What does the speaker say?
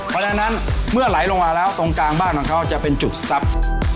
เพราะฉะนั้นเมื่อไหลลงมาแล้วตรงกลางบ้านของเขาจะเป็นจุดทรัพย์